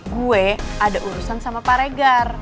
gue ada urusan sama pak regar